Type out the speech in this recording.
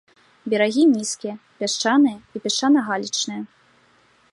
Берагі нізкія, пясчаныя і пясчана-галечныя.